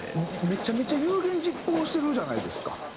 めちゃめちゃ有言実行してるじゃないですか。